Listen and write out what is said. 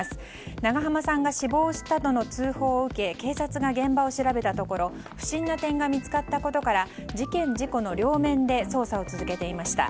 長濱さんが死亡したなどの通報を受け、警察が現場を調べたところ不審な点が見つかったことから事件事故の両面で捜査を続けていました。